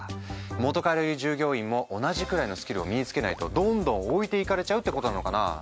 もとからいる従業員も同じくらいのスキルを身につけないとどんどん置いていかれちゃうってことなのかなあ？